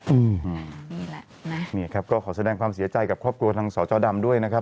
อืมนี่แหละนะนี่ครับก็ขอแสดงความเสียใจกับครอบครัวทางสจดำด้วยนะครับ